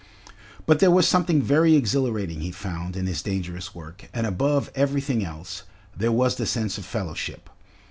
But there was something very exhilarating, he found, in this dangerous work, and above every thing else, there was the sense of fellowship.